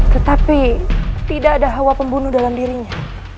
tetapi tidak ada hawa pembunuh dalam dirinya